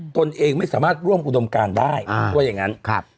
ตนเองไม่สามารถร่วมอุดมการได้ว่าอย่างนั้น